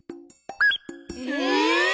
え！